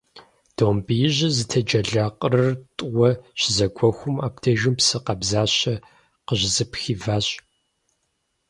Домбеижьыр зытеджэла къырыр тӀууэ щызэгуэхум, абдежым псы къабзащэ къыщызыпхиващ.